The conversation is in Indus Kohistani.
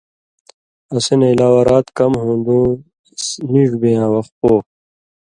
اسی نہ علاوہ رات کم ہُون٘دوں اس نیڙ بے یاں وخ پو